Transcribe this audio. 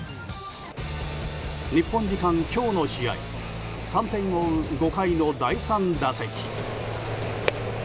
日本時間、今日の試合３点を追う５回の第３打席。